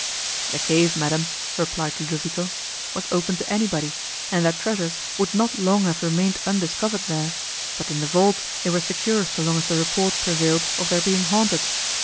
"The cave, madam," replied Ludovico, "was open to anybody, and their treasures would not long have remained undiscovered there, but in the vaults they were secure so long as the report prevailed of their being haunted.